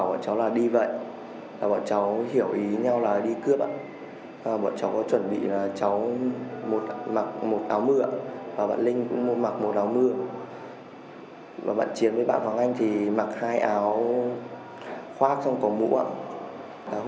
mục đích là để có kiểu người ta không đưa xe thì là dọn đánh người ta